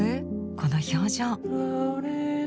この表情。